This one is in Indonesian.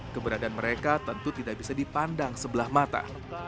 keberadaan mereka tentu tidak bisa dipandang sebelah mata